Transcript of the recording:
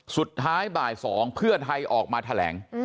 สุดท้ายบ่าย๒เพื่อไทยออกมาแถลง